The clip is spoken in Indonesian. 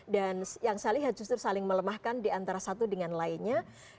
dan yang saya lihat justru saling melemahkan diantara satu dengan lainnya